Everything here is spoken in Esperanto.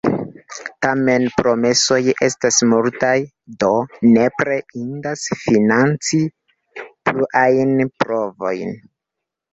Tamen promesoj estas multaj, do nepre indas financi pluajn provojn.